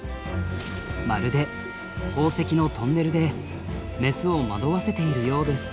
まるで宝石のトンネルでメスを惑わせているようです。